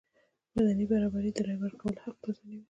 مدني برابري د رایې ورکولو حق تضمینوي.